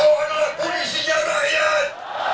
kau adalah polisinya rakyat